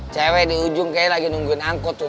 cewek di ujung kayaknya lagi nungguin angkot tuh